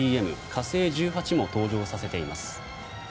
「火星１８」も登場させています。